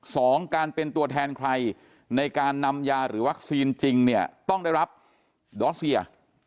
สองการเป็นตัวแทนใครในการนำยาหรือวัคซีนจริงเนี่ยต้องได้รับดอสเซีย